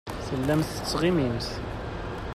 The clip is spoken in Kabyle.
Tellamt tettɣimimt.